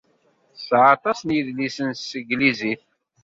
Tesɛa aṭas n yidlisen s tanglizit.